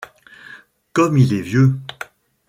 comme il est vieux